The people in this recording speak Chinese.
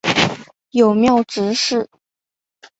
友庙执事。